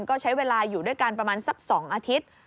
ก็ใช้เวลาอยู่ด้วยกันประมาณสัก๒อาทิตย์